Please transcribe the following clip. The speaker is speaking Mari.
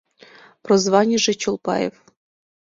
Прозванийже — Чолпаев.